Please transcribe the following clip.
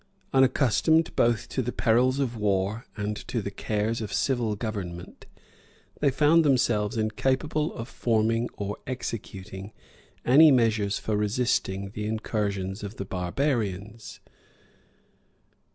Unaccustomed both to the perils of war and to the cares of civil government, they found themselves incapable of forming or executing any measures for resisting the incursions of the barbarians.